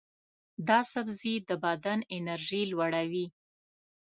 دا سبزی د بدن انرژي لوړوي.